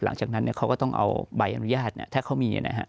หลังจากนั้นเขาก็ต้องเอาใบอนุญาตถ้าเขามีนะฮะ